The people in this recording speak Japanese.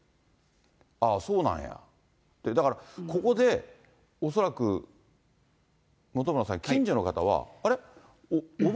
ああ、そうなんやって、だから、ここで恐らく本村さん、近所の方は、あれ？